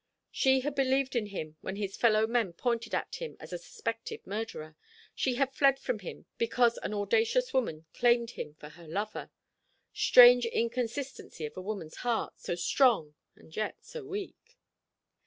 She had believed in him when his fellow men pointed at him as a suspected murderer; she had fled from him because an audacious woman claimed him for her lover. Strange inconsistency of a woman's heart, so strong and yet so weak!